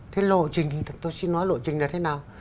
thế lộ trình thì tôi xin nói lộ trình là thế nào